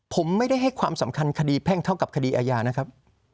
ผมไม่ได้ให้ความสำคัญคดีแพ่งเท่ากับคดีอาญานะครับ